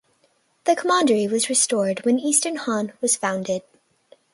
The commandery was restored when Eastern Han was founded.